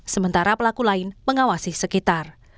sementara pelaku lain mengawasi sekitar